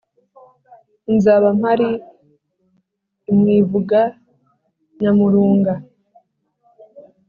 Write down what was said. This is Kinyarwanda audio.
Nzaba mpari imwivuga Nyamurunga*.